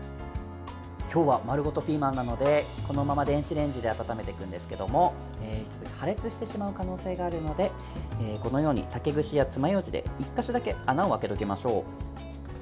今日は丸ごとピーマンなのでこのまま電子レンジで温めていくんですけども破裂してしまう可能性があるのでこのように竹串やつまようじで１か所だけ穴を開けておきましょう。